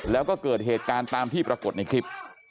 แล้วก็เกิดเหตุการณ์ตามที่ปรากฏในคลิป